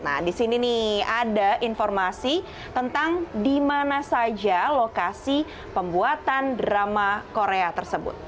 nah di sini nih ada informasi tentang di mana saja lokasi pembuatan drama korea tersebut